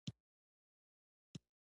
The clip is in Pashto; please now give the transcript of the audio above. په لویدیځ کې لیکوالي یو صنعت دی.